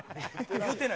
言うてない。